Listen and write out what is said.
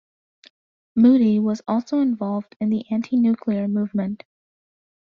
Moody was also involved in the anti-nuclear movement.